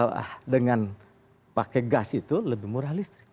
nah dengan pakai gas itu lebih murah listrik